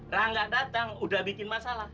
rangga datang udah bikin masalah